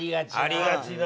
ありがちな。